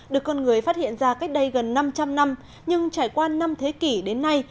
được con người phát hiện ra cách đây gần năm trăm linh năm nhưng trải qua năm thế kỷ đến nay